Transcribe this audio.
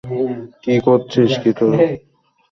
কী করছিস কী তোরা?